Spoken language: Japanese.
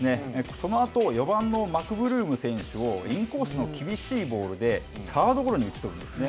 そのあと、４番のマクブルーム選手をインコースの厳しいボールで、サードゴロに打ち取るんですね。